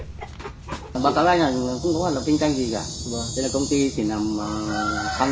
hãy cùng theo dõi phần bản thân qa khu rộng đảo nêm